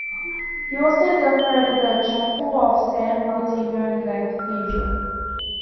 He also decorated the chapel of San Martino in the cathedral.